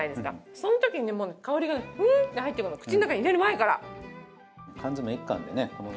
そのときに香りがふーっと入ってくるの、口の中に入れる前から。